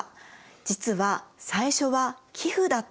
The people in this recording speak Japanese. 実は最初は寄付だったんです。